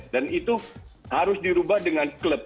dan itu harus dirubah dengan klub